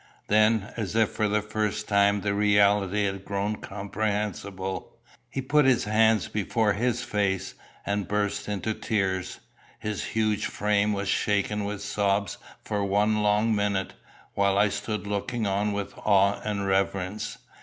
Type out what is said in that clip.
Then, as if for the first time the reality had grown comprehensible, he put his hands before his face, and burst into tears. His huge frame was shaken with sobs for one long minute, while I stood looking on with awe and reverence.